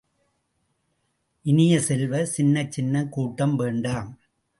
இனிய செல்வ, சின்னச் சின்னக் கூட்டம் வேண்டாம்.